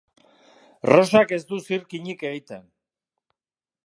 Rosak ez du zirkinik egiten.